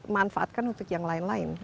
manfaatkan untuk yang lain lain